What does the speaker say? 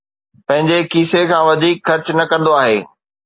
پنهنجي کيسي کان وڌيڪ خرچ نه ڪندو آهي